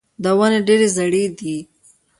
دا ونې ډېرې زاړې دي.